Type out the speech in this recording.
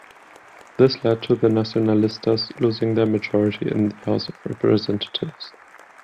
This led to the Nacionalistas losing their majority in the House of Representatives.